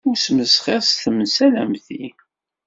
Ur smesxir s temsal am ti.